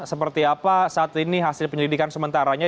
seperti apa saat ini hasil penyelidikan sementaranya